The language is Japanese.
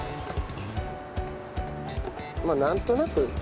まあなんとなく。